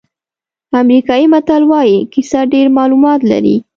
امریکایي متل وایي کیسه ډېر معلومات لري.